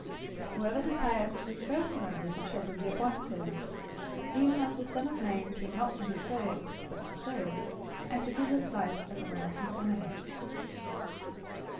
020:027 Whoever desires to be first among you shall be your bondservant, 020:028 even as the Son of Man came not to be served, but to serve, and to give his life as a ransom for many."